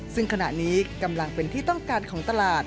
ซึ่งขณะนี้กำลังเป็นที่ต้องการของตลาด